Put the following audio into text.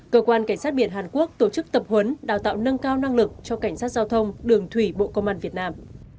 cơ quan cảnh sát biển hàn quốc tổ chức tập huấn đào tạo nâng cao năng lực cho cảnh sát giao thông đường thủy bộ công an việt nam